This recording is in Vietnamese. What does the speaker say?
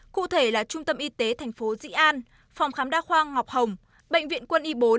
cụ thể là trung tâm y tế tp di an phòng khám đa khoa ngọc hồng bệnh viện quân y bốn